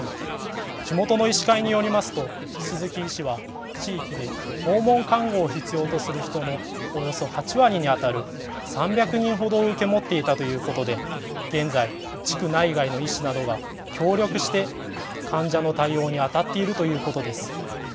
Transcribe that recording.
地元の医師会によりますと鈴木医師は地域で訪問看護を必要とする人のおよそ８割にあたる３００人ほどを受け持っていたということで現在、地区内外の医師などが協力して患者の対応にあたっているということです。